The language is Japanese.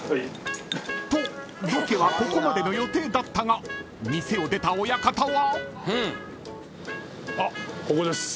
［とロケはここまでの予定だったが店を出た親方は］